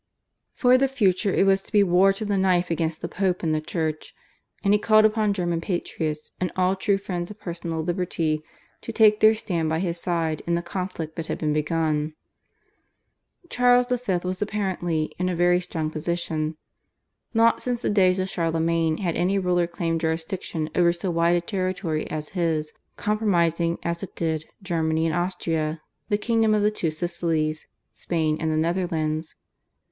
For the future it was to be war to the knife against the Pope and the Church, and he called upon German patriots and all true friends of personal liberty to take their stand by his side in the conflict that had been begun. Charles V. was apparently in a very strong position. Not since the days of Charlemagne had any ruler claimed jurisdiction over so wide a territory as his, comprising, as it did, Germany and Austria, the kingdom of the two Sicilies, Spain, and the Netherlands.